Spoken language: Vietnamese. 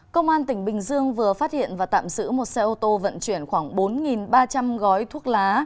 công an tỉnh bình dương vừa phát hiện và tạm giữ một xe ô tô vận chuyển khoảng bốn ba trăm linh gói thuốc lá